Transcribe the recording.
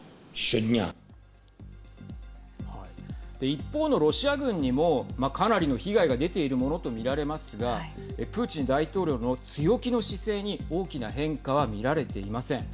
一方のロシア軍にもかなりの被害が出ているものと見られますがプーチン大統領の強気の姿勢に大きな変化は見られていません。